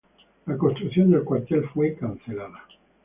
La construcción del cuartel fue cancelada.